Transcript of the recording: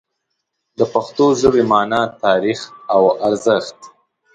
د پښتو ژبې مانا، تاریخ او ارزښت